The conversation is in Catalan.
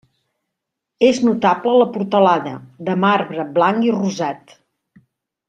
És notable la portalada, de marbre blanc i rosat.